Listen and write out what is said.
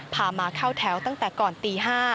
พามาเข้าแถวตั้งแต่ก่อนตี๕